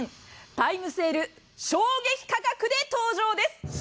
タイムセール、衝撃価格で登場です。